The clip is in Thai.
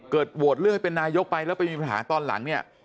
เกิดโหวตเลือกเป็นนายกไปแล้วเป็นญ้าปังตอนหลัง